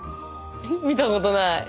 見たことない。